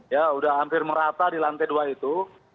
ya sudah hampir merata di lantai dua itu